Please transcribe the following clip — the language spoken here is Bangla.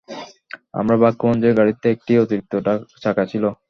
আমরা ভাগ্যবান যে গাড়িতে একটি অতিরিক্ত চাকা ছিল।